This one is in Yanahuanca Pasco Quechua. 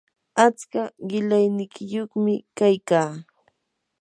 atska qilayniyuqmi kaykaa